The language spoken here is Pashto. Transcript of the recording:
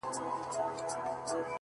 • هغه به اور له خپلو سترګو پرېولي،